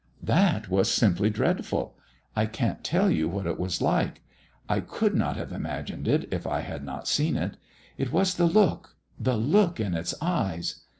"That was simply dreadful. I can't tell you what it was like. I could not have imagined it, if I had not seen it. It was the look the look in its eyes.